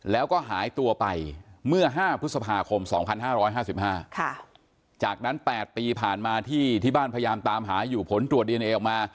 แล้วก็หายตัวไปเมื่อ๕พฤษภาคม๒๕๕๕จากนั้น๘ปีผ่านมาที่บ้านพยายามตามหาอยู่ผลตรวจดีเอนเอออกมา